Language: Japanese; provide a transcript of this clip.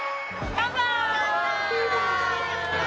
乾杯！